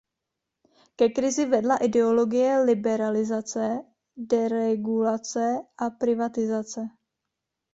Ke krizi vedla ideologie liberalizace, deregulace a privatizace .